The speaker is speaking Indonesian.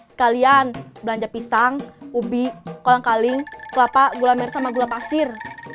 sekalian belanja pisang ubi kolang kaling kelapa gula merah sama gula pasir